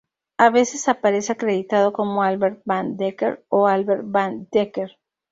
A veces aparece acreditado como Albert Van Dekker o Albert van Dekker.